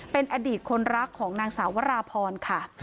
เป็นอดีตคนรักของนางสาววราพรค่ะ